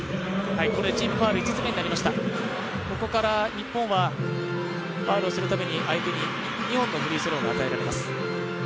ここから日本はファウルをするたびに２本のフリースローが与えられます